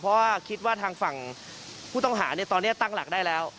เพราะว่าคิดว่าทางฝั่งผู้ต้องหาตอนนี้ตั้งหลักได้แล้ว